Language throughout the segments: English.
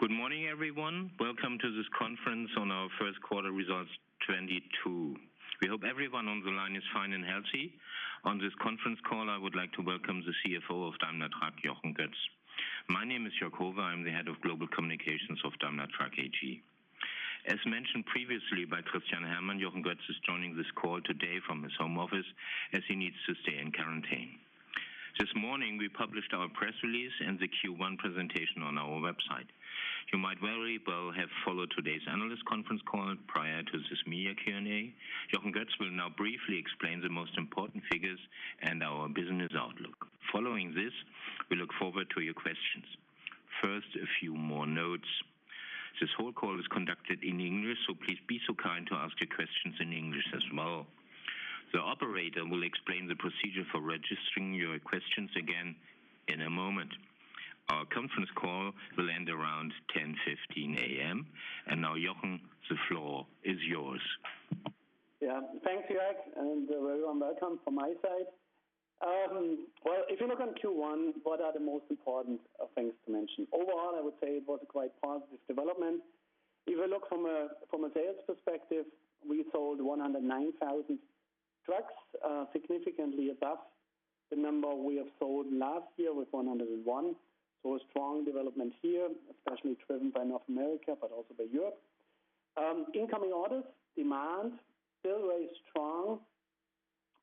Good morning, everyone. Welcome to this conference on our Q1 results 2022. We hope everyone on the line is fine and healthy. On this conference call, I would like to welcome the CFO of Daimler Truck, Jochen Goetz. My name is Jörg Howe. I'm the Head of Global Communications of Daimler Truck AG. As mentioned previously by Christian Herrmann, Jochen Goetz is joining this call today from his home office, as he needs to stay in quarantine. This morning, we published our press release and the Q1 presentation on our website. You might very well have followed today's analyst conference call prior to this media Q&A. Jochen Goetz will now briefly explain the most important figures and our business outlook. Following this, we look forward to your questions. First, a few more notes. This whole call is conducted in English, so please be so kind to ask your questions in English as well. The operator will explain the procedure for registering your questions again in a moment. Our conference call will end around 10:15 A.M. Now, Jochen, the floor is yours. Yes. Thanks, Jörg, and very warm welcome from my side. If you look on Q1, what are the most important things to mention? Overall, I would say it was a quite positive development. If you look from a sales perspective, we sold 109,000 trucks, significantly above the number we have sold last year with 101. A strong development here, especially driven by North America, but also by Europe. Incoming orders, demand, still very strong,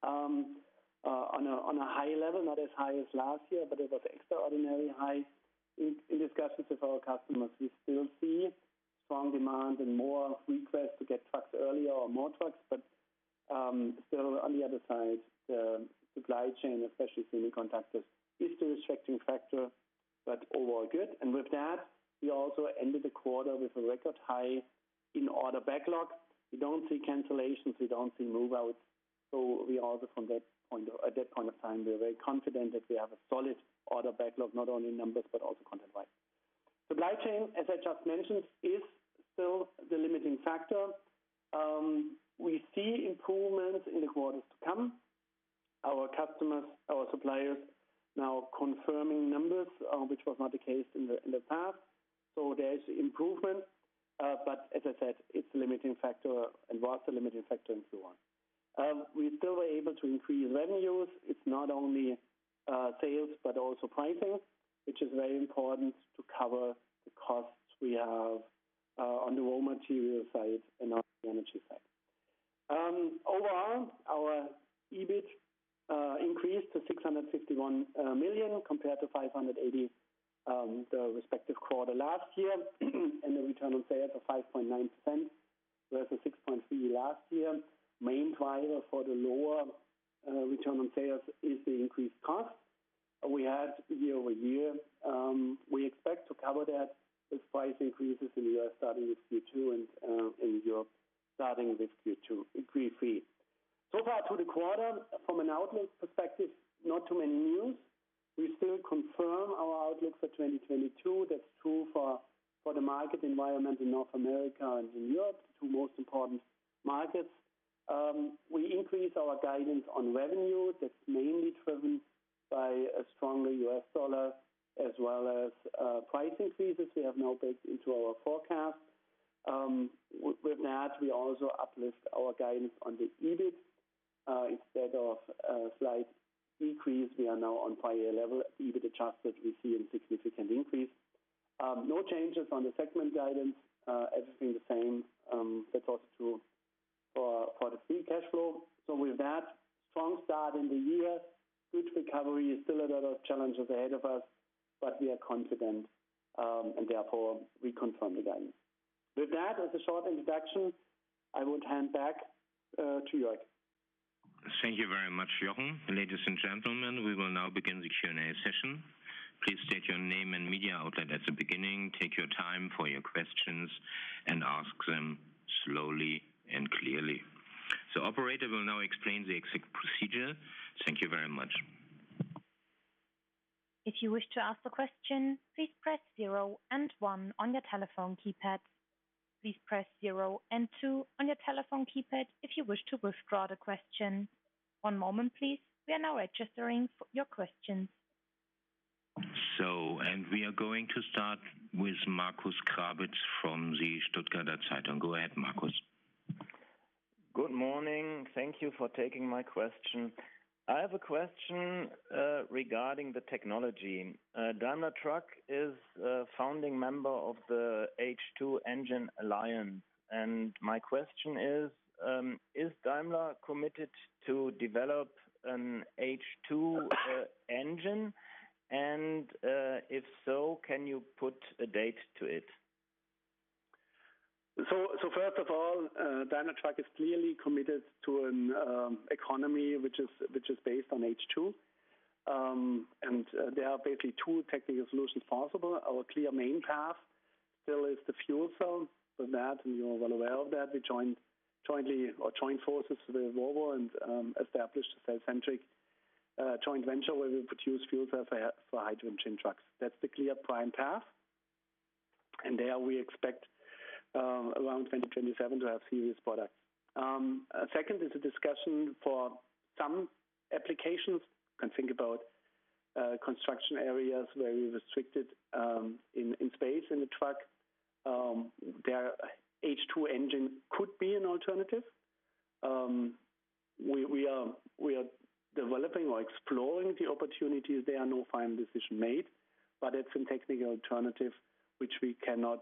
on a high level, not as high as last year, but it was extraordinarily high. In discussions with our customers, we still see strong demand and more requests to get trucks earlier or more trucks. Still on the other side, the supply chain, especially semiconductor, is still a restricting factor, but overall good. With that, we also ended the quarter with a record high in order backlog. We don't see cancellations. We don't see move-outs. We are also at that point of time very confident that we have a solid order backlog, not only in numbers but also content-wise. Supply chain, as I just mentioned, is still the limiting factor. We see improvements in the quarters to come. Our customers, our suppliers now confirming numbers, which was not the case in the past. There is improvement, but as I said, it's a limiting factor and was a limiting factor in Q1. We still were able to increase revenues. It's not only sales, but also pricing, which is very important to cover the costs we have on the raw material side and on the energy side. Overall, our EBIT increased to 651 million compared to 580 million the respective quarter last year. The return on sales of 5.9% whereas the 6.3% last year. Main driver for the lower return on sales is the increased cost we had year-over-year. We expect to cover that with price increases in the US starting with Q2 and in Europe starting with Q2, increase fees. For the quarter, from an outlook perspective, not too many news. We still confirm our outlook for 2022. That's true for the market environment in North America and in Europe, the two most important markets. We increase our guidance on revenue. That's mainly driven by a stronger US dollar as well as price increases we have now baked into our forecast. With that, we also uplift our guidance on the EBIT. Instead of a slight decrease, we are now on prior year level. EBIT adjusted, we see a significant increase. No changes on the segment guidance. Everything the same, that was true for the free cash flow. With that, strong start in the year. Good recovery. Still a lot of challenges ahead of us, but we are confident, and therefore we confirm the guidance. With that, as a short introduction, I would hand back to Jörg. Thank you very much, Jochen. Ladies and gentlemen, we will now begin the Q&A session. Please state your name and media outlet at the beginning. Take your time for your questions and ask them slowly and clearly. The operator will now explain the exact procedure. Thank you very much. If you wish to ask a question, please press zero and one on your telephone keypad. Please press zero and two on your telephone keypad if you wish to withdraw the question. One moment, please. We are now registering your questions. We are going to start with Markus Grabitz from the Stuttgarter Zeitung. Go ahead, Markus. Good morning. Thank you for taking my question. I have a question regarding the technology. Daimler Truck is a founding member of the H2 Engine Alliance, and my question is, is Daimler committed to develop an H2 engine? If so, can you put a date to it? First of all, Daimler Truck is clearly committed to an economy which is based on H2. There are basically two technical solutions possible. Our clear main path still is the fuel cell. With that, you're well aware of that, we joined forces with Volvo and established a cellcentric joint venture where we produce fuel cells for hydrogen engine trucks. That's the clear prime path. There we expect around 2027 to have serious product. Second is a discussion for some applications. You can think about construction areas very restricted in space in the truck. Their H2 engine could be an alternative. We are developing or exploring the opportunities. There are no final decision made, but it's a technical alternative which we cannot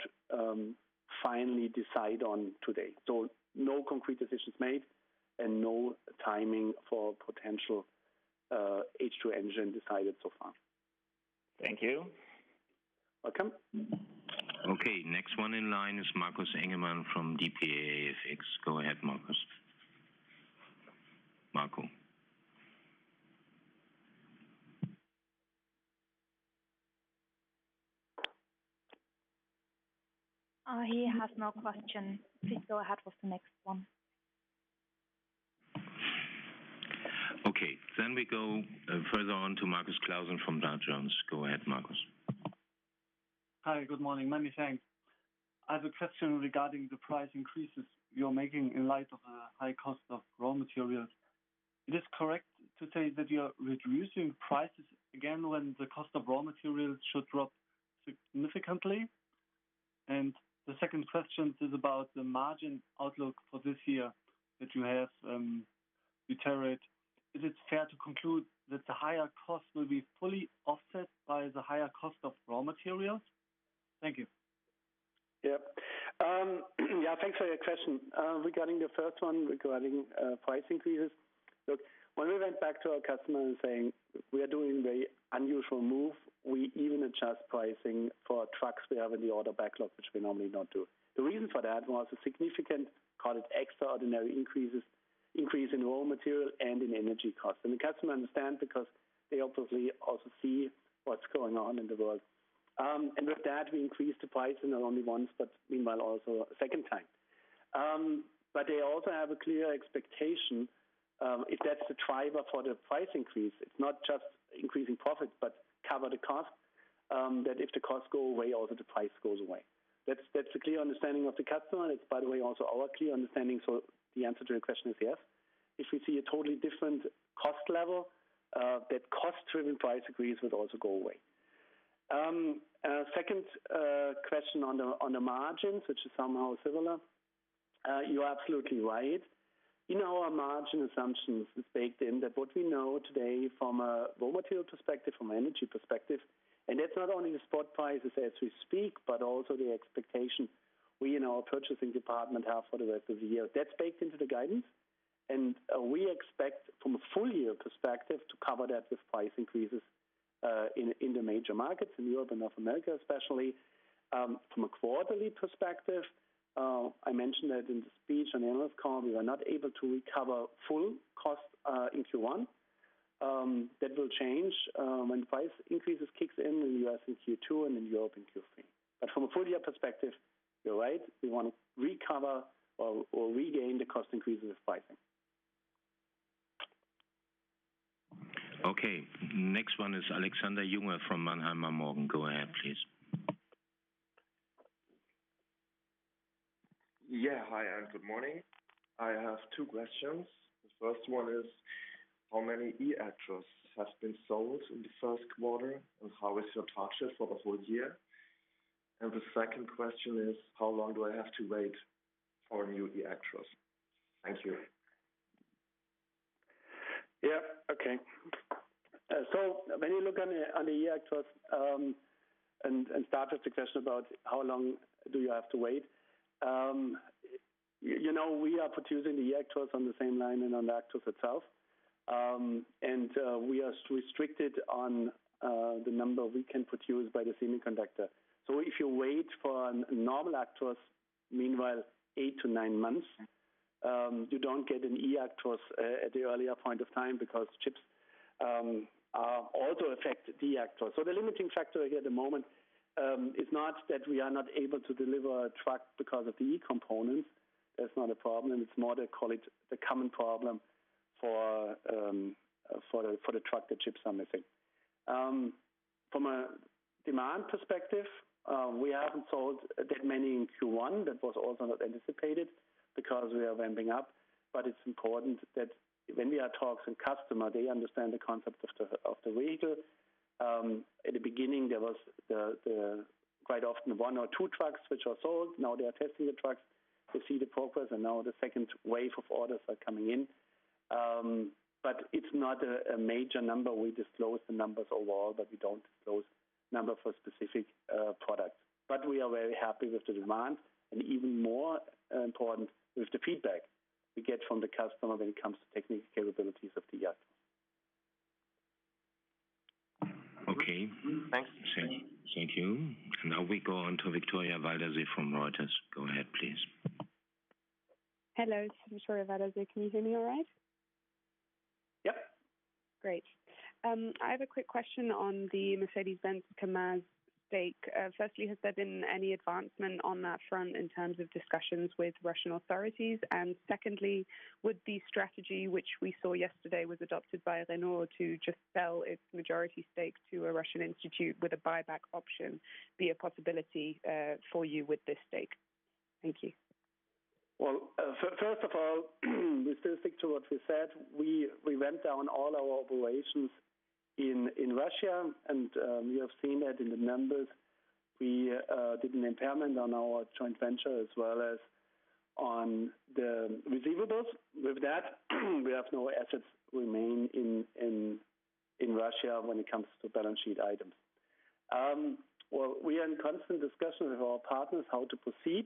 finally decide on today. No concrete decisions made and no timing for potential H2 engine decided so far. Thank you. Welcome. Okay, next one in line is Markus Engemann from dpa-AFX. Go ahead, Markus. He has no question. Please go ahead with the next one. Okay, we go further on to Markus Klausen from Dow Jones. Go ahead, Markus. Hi, good morning. Many thanks. I have a question regarding the price increases you're making in light of the high cost of raw materials. Is it correct to say that you are reducing prices again when the cost of raw materials should drop significantly? The second question is about the margin outlook for this year that you have deteriorated. Is it fair to conclude that the higher cost will be fully offset by the higher cost of raw materials? Thank you. Yes. Thanks for your question. Regarding the first one, price increases. Look, when we went back to our customer and saying, we are doing very unusual move, we even adjust pricing for trucks we have in the order backlog, which we normally don't do. The reason for that was a significant, call it extraordinary increase in raw material and in energy costs. The customer understand because they obviously also see what's going on in the world. With that, we increased the price not only once, but meanwhile also a second time. They also have a clear expectation, if that's the driver for the price increase, it's not just increasing profits, but cover the cost, that if the costs go away, also the price goes away. That's a clear understanding of the customer, and it's by the way, also our clear understanding. The answer to your question is yes. If we see a totally different cost level, that cost-driven price increase would also go away. Second question on the margins, which is somehow similar. You are absolutely right. In our margin assumptions is baked in that what we know today from a raw material perspective, from an energy perspective, and that's not only the spot prices as we speak, but also the expectation we in our purchasing department have for the rest of the year. That's baked into the guidance. We expect from a full year perspective to cover that with price increases in the major markets in Europe and North America, especially. From a quarterly perspective, I mentioned that in the speech on analyst call, we were not able to recover full cost in Q1. That will change when price increases kicks in in the U.S. in Q2 and in Europe in Q3. From a full year perspective, you're right. We want to recover or regain the cost increases pricing. Okay. Next one is Alexander Jungert from Mannheimer Morgen. Go ahead, please. Hi, and good morning. I have two questions. The first one is, how many eActros has been sold in Q1, and how is your target for the whole year? The second question is, how long do I have to wait for a new eActros? Thank you. When you look on the eActros and start with the question about how long do you have to wait, we are producing the eActros on the same line and on the Actros itself. We are restricted on the number we can produce by the semiconductor. If you wait for a normal Actros, meanwhile 8-9 months, you don't get an eActros at the earlier point of time because chips also affect the eActros. The limiting factor here at the moment is not that we are not able to deliver a truck because of the e components. That's not a problem. It's more, call it, the common problem for the truck. The chips are missing. From a demand perspective, we haven't sold that many in Q1. That was also not anticipated because we are ramping up. It's important that when we are talking to customers, they understand the concept of the vehicle. At the beginning, there was quite often one or two trucks which are sold. Now they are testing the trucks to see the progress, and now the second wave of orders are coming in. It's not a major number. We disclose the numbers overall, but we don't disclose numbers for specific products. We are very happy with the demand and even more important with the feedback we get from the customers when it comes to technical capabilities of the eActros. Okay. Thanks. Thank you. Now we go on to Victoria Waldersee from Reuters. Go ahead, please. Hello, this is Victoria Waldersee. Can you hear me all right? Yes. Great. I have a quick question on the Mercedes-Benz Kamaz stake. Firstly, has there been any advancement on that front in terms of discussions with Russian authorities? Secondly, would the strategy which we saw yesterday was adopted by Renault to just sell its majority stake to a Russian institute with a buyback option be a possibility, for you with this stake? Thank you. Well, first of all, we still stick to what we said. We wound down all our operations in Russia, and we have seen that in the numbers. We did an impairment on our joint venture as well as on the receivables. With that, we have no assets remain in Russia when it comes to balance sheet items. Well, we are in constant discussions with our partners how to proceed,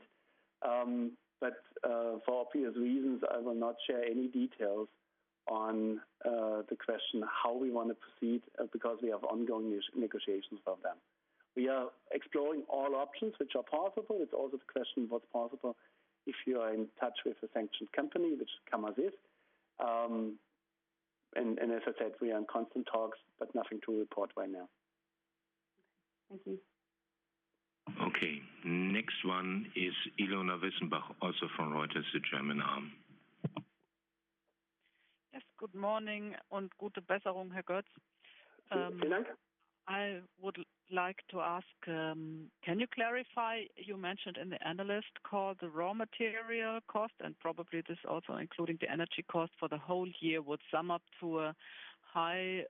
but for obvious reasons, I will not share any details on the question how we want to proceed, because we have ongoing negotiations with them. We are exploring all options which are possible. It's also the question what's possible if you are in touch with a sanctioned company, which Kamaz is. As I said, we are in constant talks, but nothing to report right now. Thank you. Okay. Next one is Ilona Wissenbach, also from Reuters, the German arm. Good morning, on Herr Götz. I would like to ask, can you clarify, you mentioned in the analyst call the raw material cost, and probably this also including the energy cost for the whole year, would sum up to a high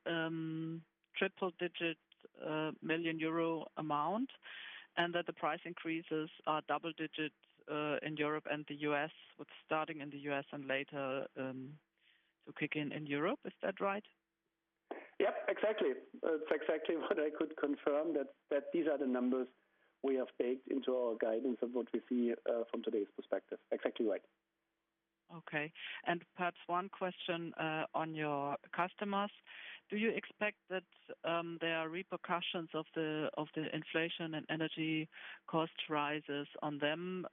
triple-digit million euro amount, and that the price increases are double-digit in Europe and the US, with starting in the US and later to kick in in Europe. Is that right? Yes, exactly. That's exactly what I could confirm that these are the numbers we have baked into our guidance of what we see from today's perspective. Exactly right. Okay. Perhaps one question on your customers. Do you expect that there are repercussions of the inflation and energy cost rises on them,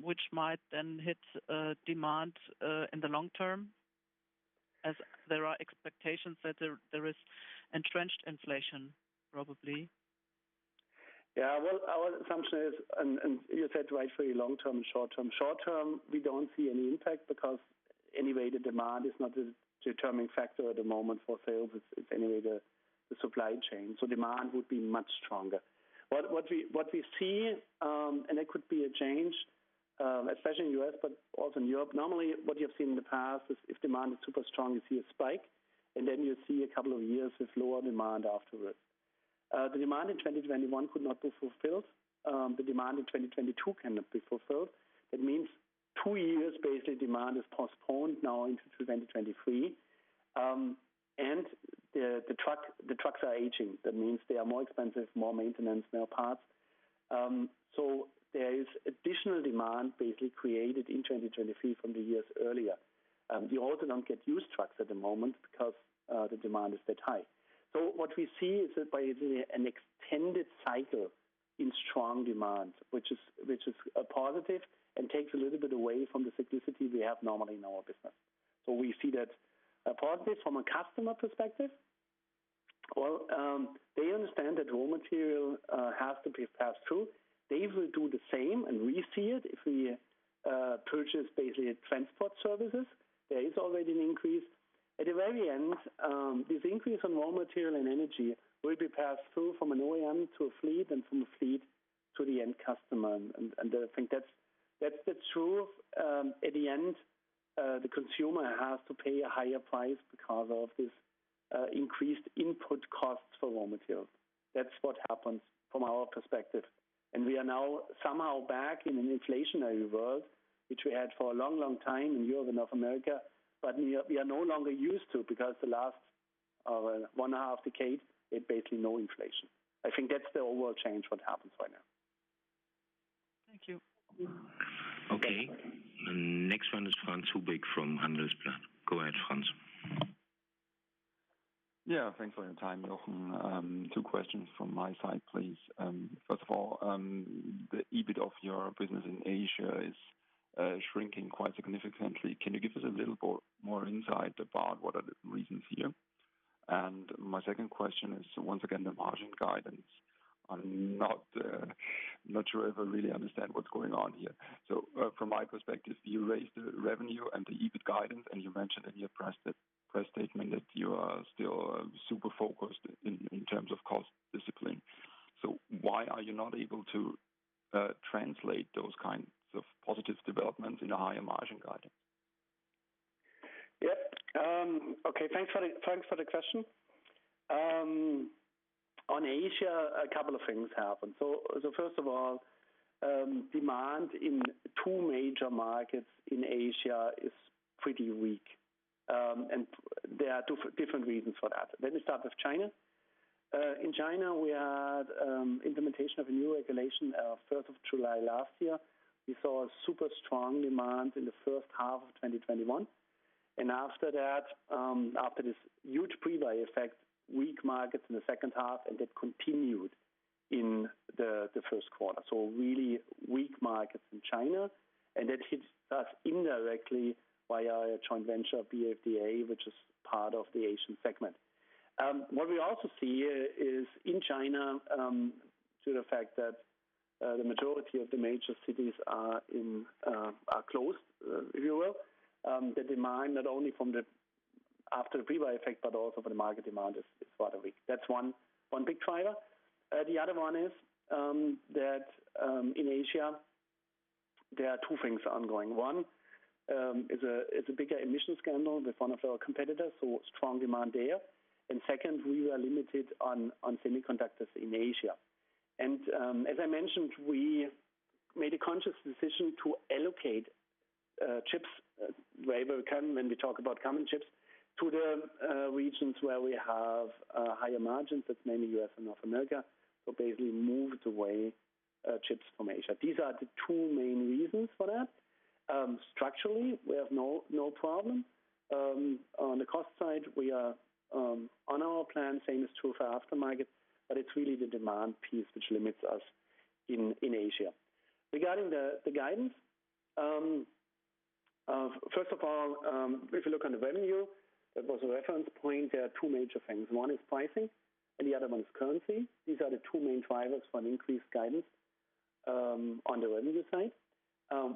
which might then hit demand in the long-term, as there are expectations that there is entrenched inflation probably? Well, our assumption is, and you said rightfully long-term, short-term. Short-term, we don't see any impact because anyway the demand is not the determining factor at the moment for sales. It's anyway the supply chain. Demand would be much stronger. What we see, and it could be a change, especially in U.S., but also in Europe. Normally, what you have seen in the past is if demand is super strong, you see a spike, and then you see a couple of years with lower demand afterwards. The demand in 2021 could not be fulfilled. The demand in 2022 cannot be fulfilled. It means two years basically demand is postponed now into 2023 and the trucks are aging. That means they are more expensive, more maintenance, no parts. There is additional demand basically created in 2023 from the years earlier. We also don't get used trucks at the moment because the demand is that high. What we see is that basically an extended cycle in strong demand, which is a positive and takes a little bit away from the cyclicity we have normally in our business. We see that positive from a customer perspective. They understand that raw material has to be passed through. They will do the same, and we see it if we purchase basically transport services. There is already an increase. At the very end, this increase in raw material and energy will be passed through from an OEM to a fleet and from a fleet to the end customer. I think that's the truth. At the end, the consumer has to pay a higher price because of this increased input costs for raw materials. That's what happens from our perspective. We are now somehow back in an inflationary world, which we had for a long, long time in Europe and North America. We are no longer used to it because the last one and a half decade had basically no inflation. I think that's the overall change what happens right now. Thank you. The next one is Franz Hubik from Handelsblatt. Go ahead, Franz. Yes, thanks for your time, Jochen. Two questions from my side, please. First of all, the EBIT of your business in Asia is shrinking quite significantly. Can you give us a little more insight about what are the reasons here? My second question is, once again, the margin guidance. I'm not sure if I really understand what's going on here. From my perspective, you raised the revenue and the EBIT guidance, and you mentioned in your press statement that you are still super focused in terms of cost discipline. Why are you not able to translate those positive developments in a higher margin guidance? Thanks for the question. On Asia, a couple of things happened. First of all, demand in two major markets in Asia is pretty weak. There are two different reasons for that. Let me start with China. In China, we had implementation of a new regulation, first of July last year. We saw a super strong demand in the first half of 2021. After this huge pre-buy effect, weak markets in the second half, and that continued in Q1. Really weak markets in China, and that hits us indirectly via our joint venture, BFDA, which is part of the Asian segment. What we also see is in China, due to the fact that the majority of the major cities are closed, if you will, the demand not only from the pre-buy effect, but also for the market demand is rather weak. That’s one big driver. The other one is that in Asia, there are two things ongoing. One is a bigger emission scandal with one of our competitors, so strong demand there. Second, we were limited on semiconductors in Asia. As I mentioned, we made a conscious decision to allocate chips wherever we can when we talk about common chips to the regions where we have higher margins. That’s mainly U.S. and North America. Basically moved away chips from Asia. These are the two main reasons for that. Structurally, we have no problem. On the cost side, we are on our plan, same is true for aftermarket, but it's really the demand piece which limits us in Asia. Regarding the guidance, first of all, if you look on the revenue, that was a reference point, there are two major things. One is pricing and the other one is currency. These are the two main drivers for an increased guidance on the revenue side.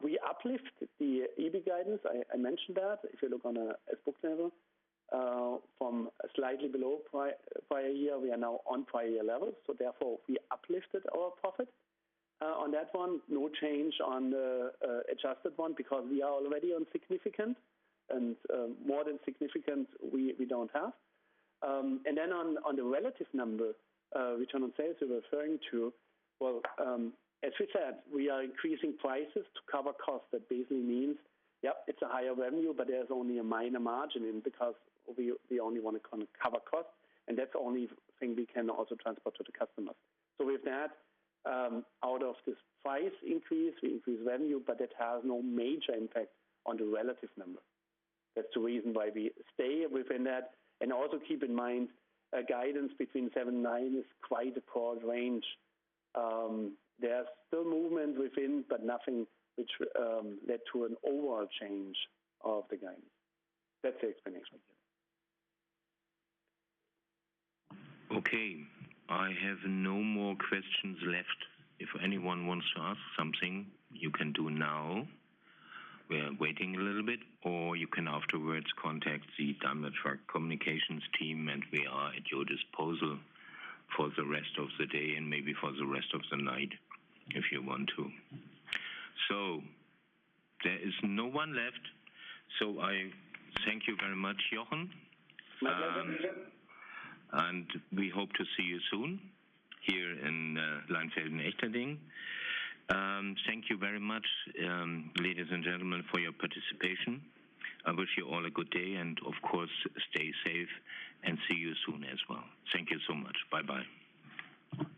We uplift the EBIT guidance. I mentioned that. If you look on an as-book level, from slightly below prior year, we are now on prior year levels. Therefore, we uplifted our profit on that one. No change on the adjusted one because we are already on significant and more than significant. We don't have. Then on the relative number, return on sales you're referring to, well, as we said, we are increasing prices to cover costs. That basically means, it's a higher revenue, but there's only a minor margin in because we only want to cover costs, and that's the only thing we can also transport to the customers. With that out of this price increase, we increase revenue, but it has no major impact on the relative number. That's the reason why we stay within that. Also keep in mind, a guidance between 7% and 9% is quite a broad range. There's still movement within, but nothing which led to an overall change of the guidance. That's the explanation. I have no more questions left. If anyone wants to ask something, you can do now. We are waiting a little bit, or you can afterwards contact the Daimler Truck Communications team, and we are at your disposal for the rest of the day and maybe for the rest of the night if you want to. There is no one left. I thank you very much, Jochen. You're welcome, Jörg. We hope to see you soon here in Leinfelden-Echterdingen. Thank you very much, ladies and gentlemen, for your participation. I wish you all a good day, and of course, stay safe and see you soon as well. Thank you so much. Bye-bye.